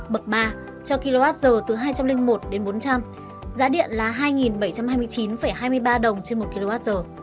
bậc ba cho kwh từ hai trăm linh một đến bốn trăm linh giá điện là hai bảy trăm hai mươi chín hai mươi ba đồng trên một kwh